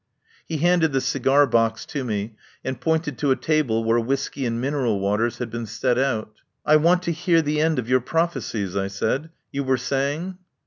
He handed the cigar box to me, and pointed to a table where whisky and mineral waters had been set out. "I want to hear the end of your prophe cies," I said. "You were saying